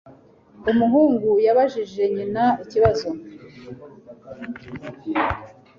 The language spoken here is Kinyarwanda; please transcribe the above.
Umuhungu yabajije nyina ikibazo.